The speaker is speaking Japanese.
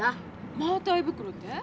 マータイ袋て？